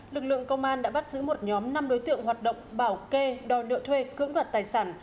lực lượng công an đã bắt giữ một nhóm năm đối tượng hoạt động bảo kê đòi nợ thuê cưỡng đoạt tài sản